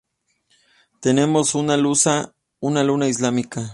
Tenemos una luna islámica.